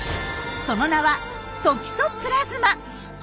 その名は「トキソプラズマ」。